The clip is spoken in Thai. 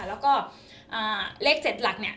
เพราะว่าเลข๗หลักเนี่ย